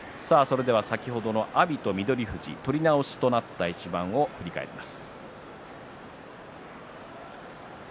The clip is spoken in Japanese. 先ほどの阿炎と翠富士取り直しとなった一番を振り返ります。